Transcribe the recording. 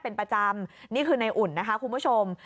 เป็นประจำนี่คือในอุ่นนะคะคุณผู้ชม